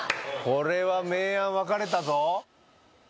これは明暗分かれたぞ